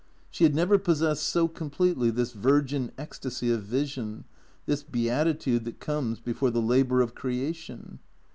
She had never possessed so completely this virgin ecstasy of vision, this beatitude that comes before the labour of creation.